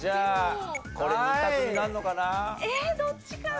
えーっどっちかな？